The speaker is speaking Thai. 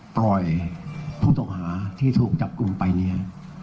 ปล่อยผู้ต้องหาที่ถูกจับกลุ่มไปเนี่ย